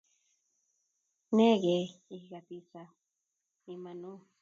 Inge iget isaa iman ooh